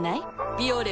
「ビオレ」